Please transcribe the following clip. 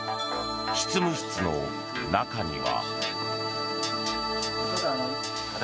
執務室の中には。